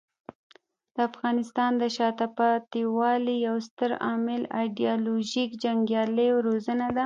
د افغانستان د شاته پاتې والي یو ستر عامل ایډیالوژیک جنګیالیو روزنه ده.